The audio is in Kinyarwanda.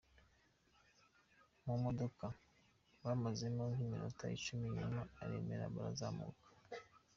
Mu modoka bamazemo nk’iminota icumi nyuma aremera barazamuka.